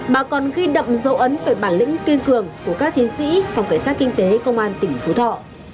mà còn ghi đậm dấu ấn về bản lĩnh kiên cường của các chiến sĩ phòng cảnh sát kinh tế công an tỉnh phú thọ